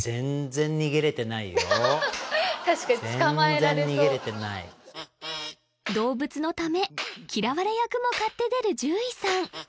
確かに捕まえられそう全然逃げれてない動物のため嫌われ役も買って出る獣医さん